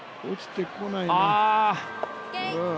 落ちてこないな。